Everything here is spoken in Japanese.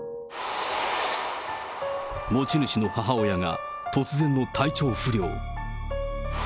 持ち主の母親が突然の体調不良。